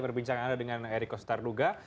perbincangan anda dengan eriko sotarduga